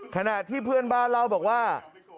ขณะที่เพื่อนบ้านเล่าบอกว่า